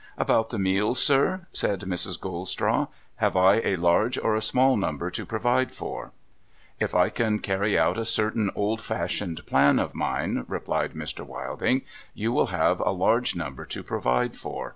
' About the meals, sir ?' said Mrs. Goldstraw. ' Have I a large, or a small, number to provide for ?'' If I can carry out a certain old fashioned plan of mine,' replied Mr. Wilding, ' you will have a large number to provide for.